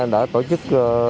đã tổ chức